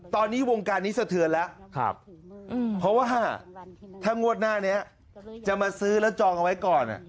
ตอนนี้วงการนี้สะเทือนแล้วเพราะว่าถ้างวดหน้านี้จะมาซื้อแล้วจองเอาไว้ก่อน